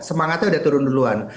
semangatnya udah turun duluan